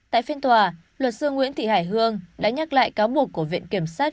tại phiên tòa luật sư nguyễn thị hải hương đã nhắc lại cáo buộc của viện kiểm sát